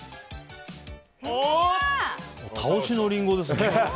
倒しのリンゴですね。